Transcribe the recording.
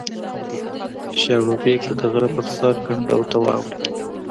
د شاړوبېک د غره په سر کنډو ته واوړې